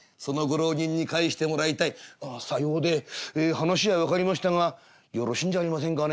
話は分かりましたがよろしいんじゃありませんかね